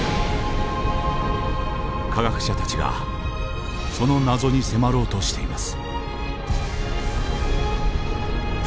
科学者たちがその謎に迫ろうとしています。